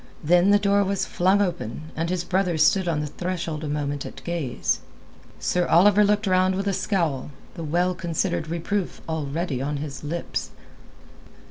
Then the door was flung open, and his brother stood on the threshold a moment at gaze. Sir Oliver looked round with a scowl, the well considered reproof already on his lips.